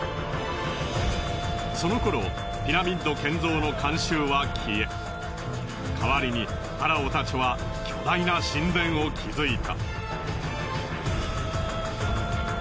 その頃ピラミッド建造の慣習は消え代わりにファラオたちは巨大な神殿を築いた。